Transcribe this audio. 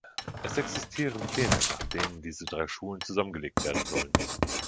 Es existieren Pläne, nach denen diese drei Schulen zusammengelegt werden sollen.